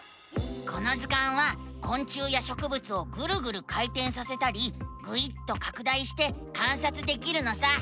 この図鑑はこん虫やしょくぶつをぐるぐる回てんさせたりぐいっとかく大して観察できるのさ！